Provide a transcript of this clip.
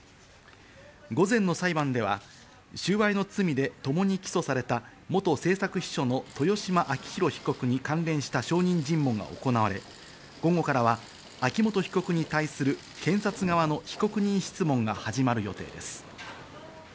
午前の裁判では収賄の罪でともに起訴された元政策秘書の豊嶋晃弘被告に関連した証人尋問が行われ、午後からは秋元被告に対する検察側の被告人質問が始まる予定です。